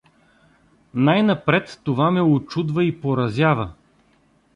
Най-напред това ме учудва и поразява.